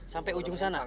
sampai ujung sana